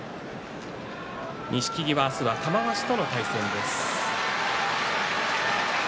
錦木は明日は玉鷲との対戦です。